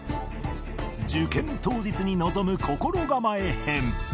受験当日に臨む心構え編